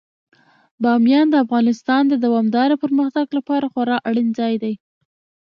بامیان د افغانستان د دوامداره پرمختګ لپاره خورا اړین ځای دی.